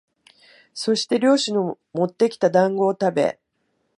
そして猟師のもってきた団子をたべ、